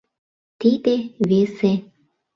Тиде — весе.